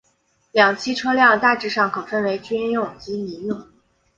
两栖车辆大致上可分为军用及民用。